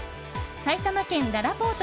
埼玉県、ららぽーと